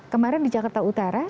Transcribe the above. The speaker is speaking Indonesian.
kemarin di jakarta utara